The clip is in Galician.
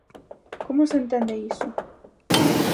¿Como se entende iso?